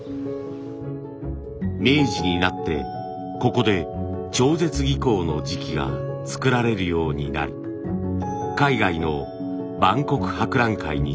明治になってここで超絶技巧の磁器が作られるようになり海外の万国博覧会に出品。